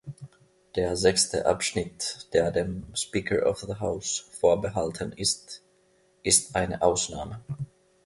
Der sechste Abschnitt, der dem Speaker of the House vorbehalten ist, ist eine Ausnahme.